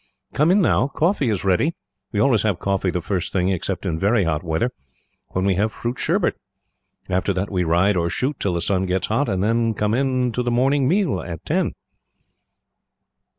"Come in, now. Coffee is ready. We always have coffee the first thing, except in very hot weather, when we have fruit sherbet. After that we ride or shoot till the sun gets hot, and then come in to the morning meal, at ten."